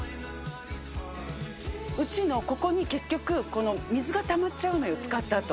うちのここに結局水がたまっちゃうのよ、使ったあと。